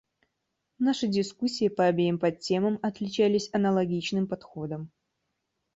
Наши дискуссии по обеим подтемам отличались аналогичным подходом.